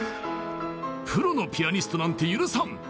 プロのピアニストなんて許さん！